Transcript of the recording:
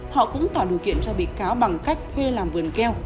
họ cũng tạo điều kiện cho bị cáo bằng cách thuê làm vườn keo